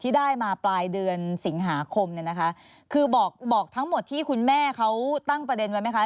ที่ได้มาปลายเดือนสิงหาคมคือบอกทั้งหมดที่คุณแม่เขาตั้งประเด็นไว้ไหมคะ